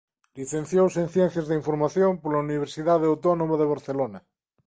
Licenciouse en Ciencias da Información pola Universidade Autónoma de Barcelona.